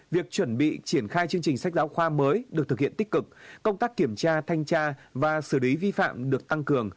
việc chuẩn bị triển khai chương trình sách giáo khoa mới được thực hiện tích cực công tác kiểm tra thanh tra và xử lý vi phạm được tăng cường